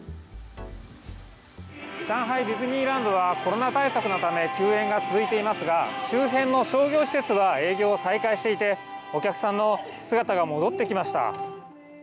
上海ディズニーランドでは、コロナ対策のため休園が続いていますが、周辺の商業施設は営業を再開していて、お客さんの姿が戻ってきま